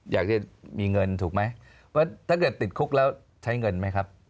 อยากจะมีเงินถูกไหมว่าถ้าเกิดติดคุกแล้วใช้เงินไหมครับ